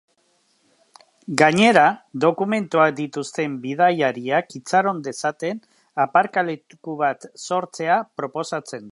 Gainera, dokumentuak dituzten bidaiariak itxaron dezaten aparkaleku bat sortzea proposatzen du.